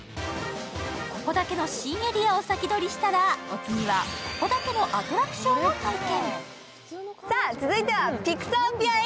ここだけの新エリアを先取りしたら、お次はここだけのアトラクションを体験。